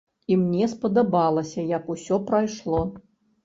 І мне спадабалася, як усё прайшло.